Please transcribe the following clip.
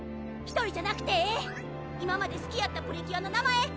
１人じゃなくてええ今まですきやったプリキュアの名前